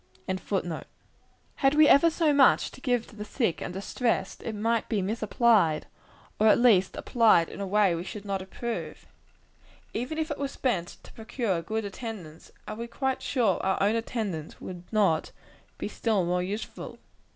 ] Had we ever so much money to give to the sick and distressed, it might be misapplied; or, at least, applied in a way we should not approve. Even if it were spent to procure good attendance, are we quite sure our own attendance would not be still more useful?